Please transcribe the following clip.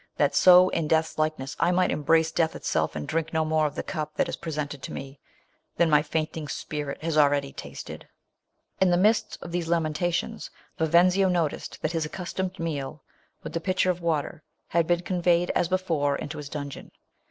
That so, iu death's likeness, I might embrace death itself, and drink no more of the cup that is presented to me, than my fainting spirit has already tasted !" In the midst of these lamentations, Vi venzio noticed that his accustomed meal, with the pitcher of water, had been conveyed, as before, into his dungeon.